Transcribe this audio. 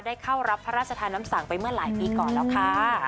เข้ารับพระราชทานน้ำสั่งไปเมื่อหลายปีก่อนแล้วค่ะ